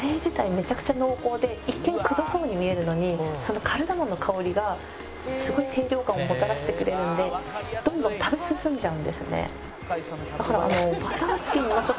めちゃくちゃ濃厚で一見くどそうに見えるのにそのカルダモンの香りがすごい清涼感をもたらしてくれるのでどんどん食べ進んじゃうんですね。